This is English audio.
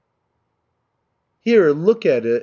"Here! Look at it!"